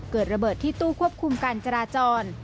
เกิดระเบิดที่ตู้ควบคุมการจราจร